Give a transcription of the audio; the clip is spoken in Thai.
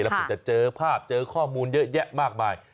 คุณจะเจอภาพเจอข้อมูลเยอะแยะมากมาย